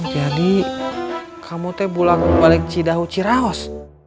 jadi kamu tuh pulang balik cidahu ciraos